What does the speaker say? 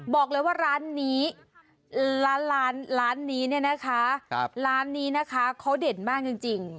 บอกเลยว่าร้านนี้เขาเด่นมากจริง